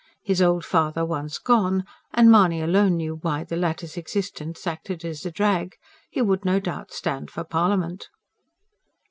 His old father once gone and Mahony alone knew why the latter's existence acted as a drag he would no doubt stand for Parliament.